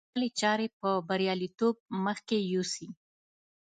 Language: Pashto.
خپلې چارې په برياليتوب مخکې يوسي.